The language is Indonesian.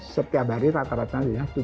setiap hari rata rata tujuh seratus